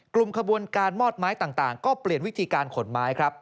กลุ่มขบวนการมอดไม้ต่างก็เปลี่ยนวิธีการขนไม้ครับ